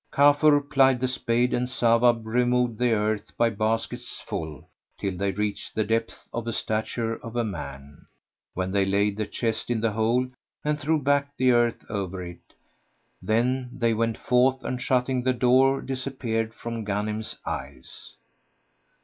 Kafur plied the spade and Sawab removed the earth by baskets full till they reached the depth of the stature of a man;[FN#104] when they laid the chest in the hole and threw back the earth over it: then they went forth and shutting the door disappeared from Ghanim's eyes.